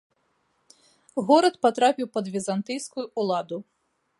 Горад патрапіў пад візантыйскую ўладу.